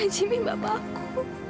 pak jimmy bapakku